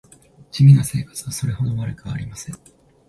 地味な生活はそれほど悪くはありません